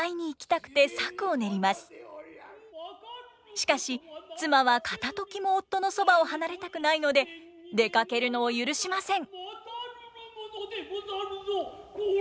しかし妻は片ときも夫のそばを離れたくないので出かけるのを許しません。